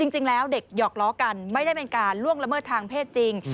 จริงแล้วเด็กหยอกล้อกันไม่ได้เป็นการล่วงละเมิดทางเพศจริง